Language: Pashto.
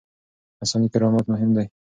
انساني کرامت مهم دی.